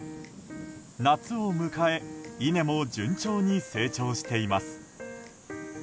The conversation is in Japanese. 夏を迎え稲も順調に成長しています。